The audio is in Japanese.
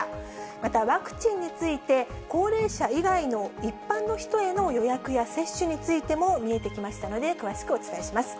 またワクチンについて、高齢者以外の一般の人への予約や接種についても見えてきましたので、詳しくお伝えします。